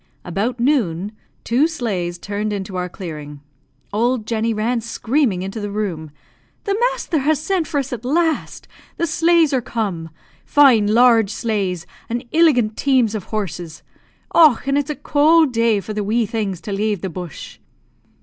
About noon two sleighs turned into our clearing. Old Jenny ran screaming into the room, "The masther has sent for us at last! The sleighs are come! Fine large sleighs, and illigant teams of horses! Och, and its a cowld day for the wee things to lave the bush."